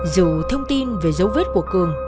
dù thông tin về dấu vết của cường